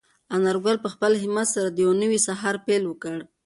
انارګل په خپل همت سره د یو نوي سهار پیل وکړ.